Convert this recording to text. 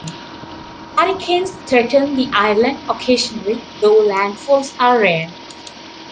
Hurricanes threaten the island occasionally, though landfalls are rare.